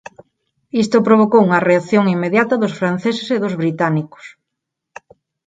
Isto provocou unha reacción inmediata dos franceses e dos británicos.